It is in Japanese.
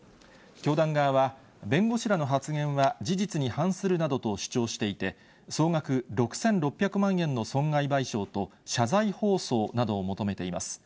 教団側は、弁護士らの発言は事実に反するなどと主張していて、総額６６００万円の損害賠償と、謝罪放送などを求めています。